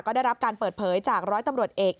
ก็ได้รับการเปิดเผยจากร้อยตำรวจเอก